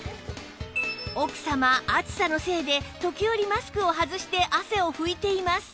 奥様暑さのせいで時折マスクを外して汗を拭いています